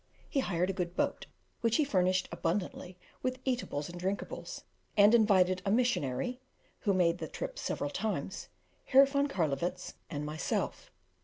He hired a good boat, which he furnished abundantly with eatables and drinkables, and invited a missionary, who had made the trip several times, Herr von Carlowitz, and myself.